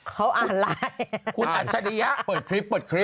เขาอ่านไลน์อ่าเปิดคลิป